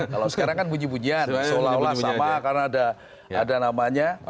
kalau sekarang kan bunyi bunyian seolah olah sama karena ada namanya